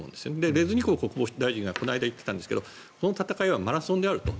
レズニコフ国防大臣が先日言っていたんですがこの戦いはマラソンであると。